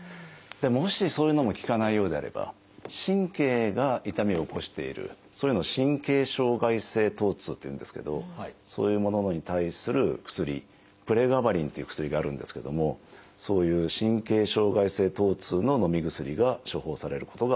もしそういうのも効かないようであれば神経が痛みを起こしているそういうのを「神経障害性疼痛」っていうんですけどそういうものに対する薬「プレガバリン」っていう薬があるんですけどもそういう神経障害性疼痛ののみ薬が処方されることが多いです。